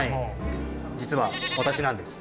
実は私なんです。